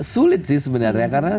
sulit sih sebenarnya karena